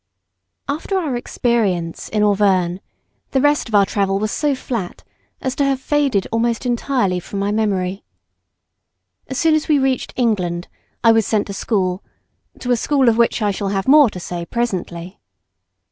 After our experience in Auvergnes, the rest of our travel was so flat as to have faded almost entirely from my memory. As soon as we reached England, I was sent to school to a school of which I shall have more to say presently.